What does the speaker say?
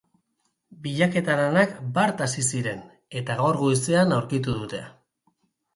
Bilaketa-lanak bart hasi ziren, eta gaur goizean aurkitu dute.